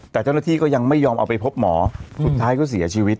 แต่เจ้าหน้าที่ก็ยังไม่ยอมเอาไปพบหมอสุดท้ายก็เสียชีวิต